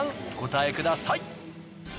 お答えください。